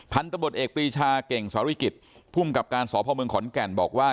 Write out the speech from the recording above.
พันธบทเอกปรีชาเก่งสวริกิจพุ่มกับการสอบพ่อเมืองขอนแก่นบอกว่า